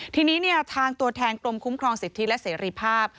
ทีนี้ทางตัวแทนกรมคุ้มครองสิทธิและเสรีภาพ